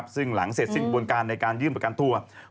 ซึ่งหลังเสร็จสิ้นบนการในการยื่นประกันตัว